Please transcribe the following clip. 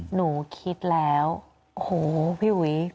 หนูคิดแล้วโหพี่อุ๋ย